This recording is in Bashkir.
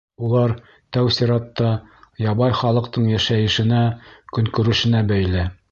Улар, тәү сиратта, ябай халыҡтың йәшәйешенә, көнкүрешенә бәйле.